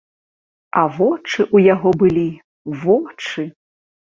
А вочы ў яго былі, вочы!